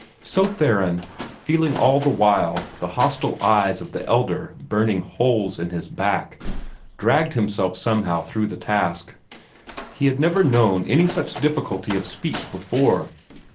So Theron, feeling all the while the hostile eyes of the Elder burning holes in his back, dragged himself somehow through the task. He had never known any such difficulty of speech before.